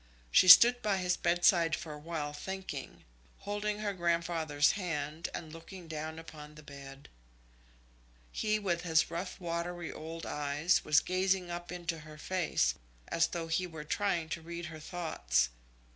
She stood by his bedside for a while thinking, holding her grandfather's hand and looking down upon the bed. He, with his rough watery old eyes, was gazing up into her face, as though he were trying to read her thoughts.